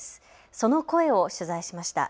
その声を取材しました。